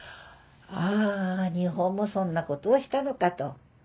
あ日本もそんなことをしたのかと。